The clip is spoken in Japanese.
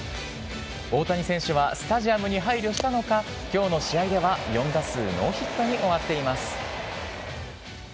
大谷選手はスタジアムに配慮したのか、きょうの試合では４打数ノーヒットに終わっています。